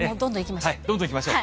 どんどんいきましょう。